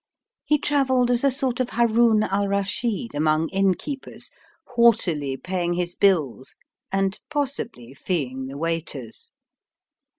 He travelled as a sort of Haroun al Raschid among innkeepers, haughtily paying his bills, and possibly feeing the waiters.